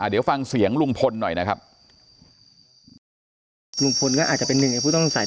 เดี๋ยวฟังเสียงลุงพลหน่อยนะครับลุงพลก็อาจจะเป็นหนึ่งในผู้ต้องใส่